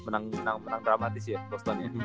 menang menang menang dramatis ya bostonnya